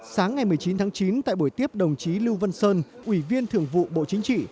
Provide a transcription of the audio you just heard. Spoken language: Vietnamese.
sáng ngày một mươi chín tháng chín tại buổi tiếp đồng chí lưu văn sơn ủy viên thường vụ bộ chính trị